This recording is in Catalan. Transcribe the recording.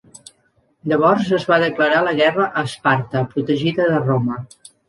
Llavors es va declarar la guerra a Esparta, protegida de Roma.